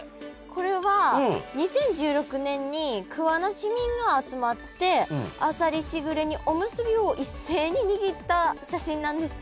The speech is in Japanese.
これは２０１６年に桑名市民が集まってあさりしぐれ煮おむすびを一斉ににぎった写真なんです。